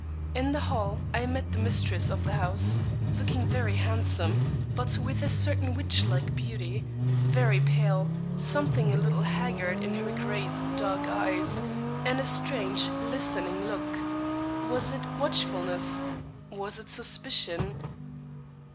In the hall, I met the mistress of the house, looking very handsome, but with a certain witch like beauty, very pale, something a little haggard in her great, dark eyes, and a strange, listening look. Was it watchfulness? was it suspicion?